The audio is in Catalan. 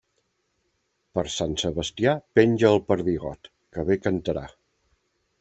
Per Sant Sebastià, penja el perdigot, que bé cantarà.